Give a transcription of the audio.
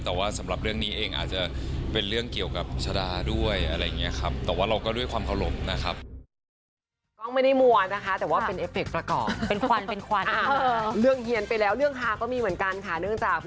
แต่ว่าสำหรับเรื่องนี้เองอาจจะเป็นเรื่องเกี่ยวกับชะดาด้วยอะไรอย่างนี้ครับ